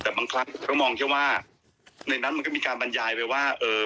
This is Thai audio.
แต่บางครั้งผมก็มองแค่ว่าในนั้นมันก็มีการบรรยายไปว่าเออ